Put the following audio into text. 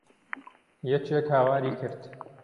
یەکێک هاواری کرد.